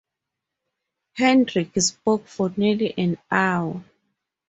Heydrich spoke for nearly an hour.